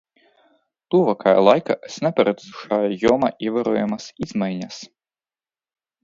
Tuvākajā laikā es neparedzu šajā jomā ievērojamas izmaiņas.